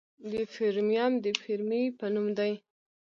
د فیرمیم د فیرمي په نوم دی.